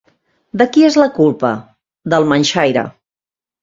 De qui és la culpa? Del manxaire.